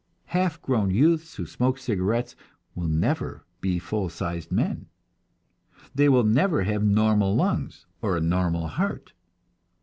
Half grown youths who smoke cigarettes will never be full sized men; they will never have normal lungs or a normal heart.